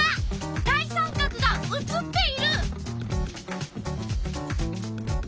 大三角が写っている！